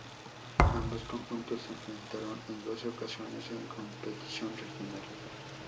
Ambos conjuntos se enfrentaron en doce ocasiones en competición regional.